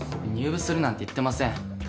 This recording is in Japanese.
入部するなんて言ってません。